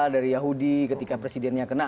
dari yahudi ketika presidennya kena